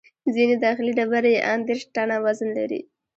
ځینې داخلي ډبرې یې ان دېرش ټنه وزن لري.